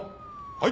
はい。